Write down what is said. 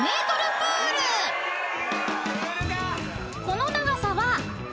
［この長さは］